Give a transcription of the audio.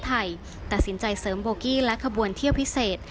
ตัดสินใจเสริมโบกี้และขบวนเที่ยวพิเศษ